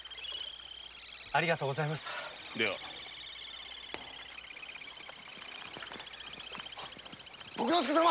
ありがとうございました徳之助様！